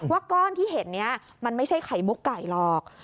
ก้อนที่เห็นนี้มันไม่ใช่ไข่มุกไก่หรอก